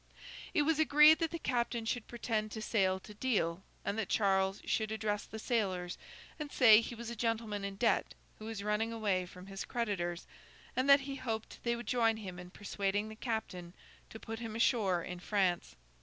It was agreed that the captain should pretend to sail to Deal, and that Charles should address the sailors and say he was a gentleman in debt who was running away from his creditors, and that he hoped they would join him in persuading the captain to put him ashore in France.